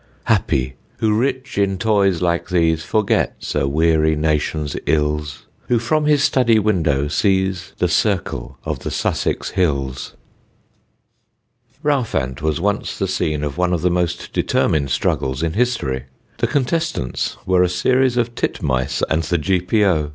Happy, who rich in toys like these Forgets a weary nation's ills, Who from his study window sees The circle of the Sussex hills. [Sidenote: THE RESOLUTE TITMICE] Rowfant was once the scene of one of the most determined struggles in history. The contestants were a series of Titmice and the G.P.O.